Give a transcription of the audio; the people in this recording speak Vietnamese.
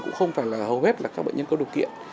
cũng không phải là hầu hết là các bệnh nhân có điều kiện